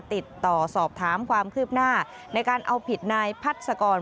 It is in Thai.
ติดต่อสอบถามความคืบหน้าในการเอาผิดนายพัศกร